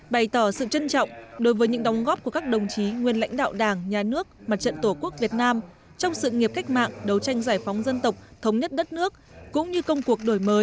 bày tỏ sự trân trọng đối với những đóng góp của các đồng chí nguyên lãnh đạo đảng nhà nước mặt trận tổ quốc việt nam trong sự nghiệp cách mạng đấu tranh giải phóng dân tộc thống nhất đất nước cũng như công cuộc đổi mới